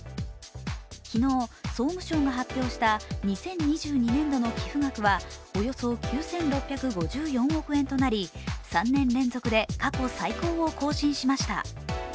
昨日、総務省が発表した２０２２年度の寄付額はおよそ９６５４億円となり、３年連続で過去最高を更新しました